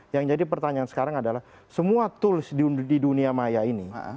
yang jadi pertanyaan sekarang adalah semua tools di dunia maya ini